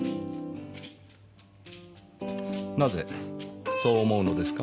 なぜそう思うのですか？